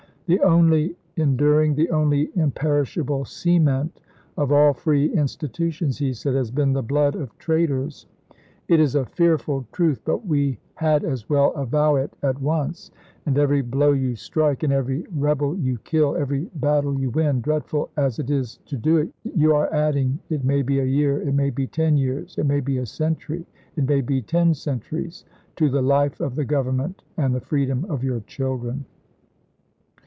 " The only endur ing, the only imperishable cement of all free insti tutions," he said, " has been the blood of traitors. .. It is a fearful truth, but we had as well avow it at once ; and every blow you strike, and every rebel you kill, every battle you win, dreadful as it is to do it, you are adding, it may be a year, it may be pnSon, ten years, it may be a century, it may be ten cen "?f18ti°eT? turies, to the life of the Government and the free pp. 403, 4ok. dom of your children."